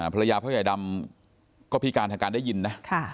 ภรรยาพ่อใหญ่ดำก็พิการทางการได้ยินนะ